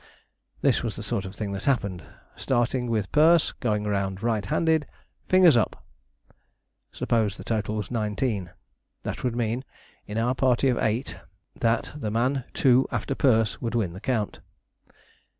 This was the sort of thing that happened: "Starting with Perce, going round right handed, Fingers up!" Suppose the total was 19. That would mean, in our party of eight, that the man two after Perce would win the count.